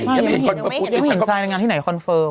ใช่ยังไม่เห็นที่ไหนคอนเฟิร์ม